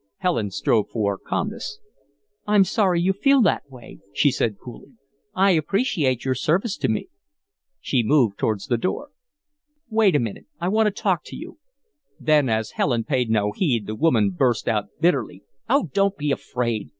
Helen strove for calmness. "I'm sorry you feel that way," she said, coolly. "I appreciate your service to me." She moved towards the door. "Wait a moment. I want to talk to you." Then, as Helen paid no heed, the woman burst out, bitterly: "Oh, don't be afraid!